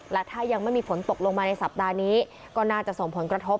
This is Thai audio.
และถ้ายังไม่มีฝนตกลงมาในสัปดาห์นี้ก็น่าจะส่งผลกระทบ